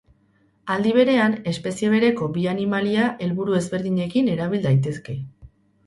Aldi berean, espezie bereko bi animalia helburu ezberdinekin erabil daiteke.